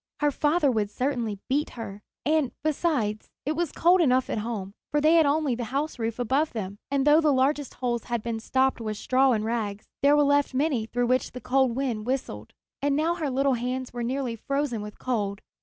Her father would certainly beat her; and, besides, it was cold enough at home, for they had only the houseroof above them; and, though the largest holes had been stopped with straw and rags, there were left many through which the cold wind whistled. And now her little hands were nearly frozen with cold.